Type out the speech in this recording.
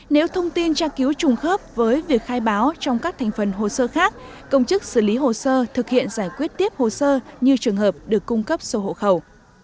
nếu thông tin tra cứu trùng khớp với việc khai báo trong các thành phần hồ sơ khác công chức xử lý hồ sơ thực hiện giải quyết tiếp hồ sơ như trường hợp được cung cấp số hộ khẩu